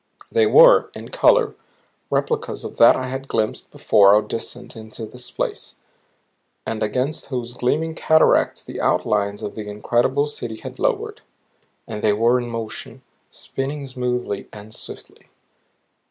They were, in color, replicas of that I had glimpsed before our descent into this place and against whose gleaming cataracts the outlines of the incredible city had lowered. And they were in motion, spinning smoothly, and swiftly.